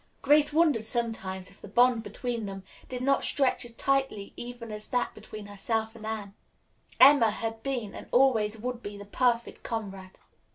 Grace wondered sometimes if the bond between them did not stretch as tightly even as that between herself and Anne. Emma had been and always would be the perfect comrade.